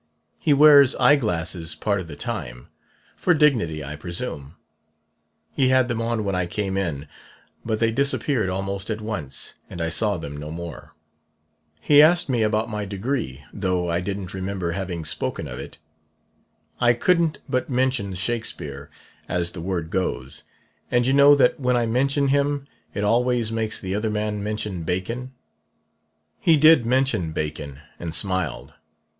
He wears eye glasses part of the time, for dignity, I presume. He had them on when I came in, but they disappeared almost at once, and I saw them no more. "He asked me about my degree, though I didn't remember having spoken of it. I couldn't but mention 'Shakespeare' as the word goes; and you know that when I mention him, it always makes the other man mention Bacon. He did mention Bacon, and smiled.